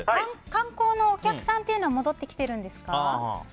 観光のお客さんというのは戻ってきているんですか？